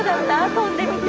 飛んでみて。